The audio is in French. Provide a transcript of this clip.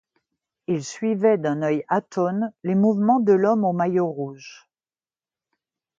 Il suivait d’un œil atone les mouvements de l’homme au maillot rouge.